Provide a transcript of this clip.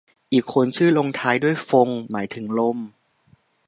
อีกคนชื่อลงท้ายด้วยฟง หมายถึงลม